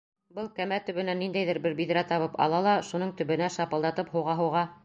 Был кәмә төбөнән ниндәйҙер бер биҙрә табып ала ла шуның төбөнә шапылдатып һуға-һуға: